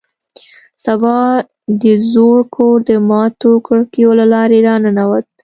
سبا د زوړ کور د ماتو کړکیو له لارې راننوت